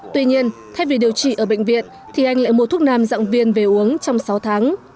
tuy nhiên thay vì điều trị ở bệnh viện thì anh lại mua thuốc nam dạng viên về uống trong sáu tháng